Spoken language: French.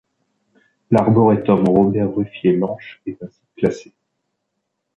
L'arboretum Robert Ruffier-Lanche est un site classé.